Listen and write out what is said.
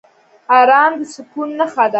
ارام د سکون نښه ده.